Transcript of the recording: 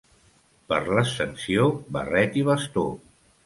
Per l'Ascensió, barret i bastó.